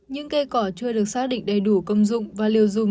những cây cỏ chưa được xác định đầy đủ công dụng và liều dùng